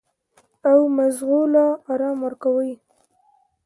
او مزغو له ارام ورکوي -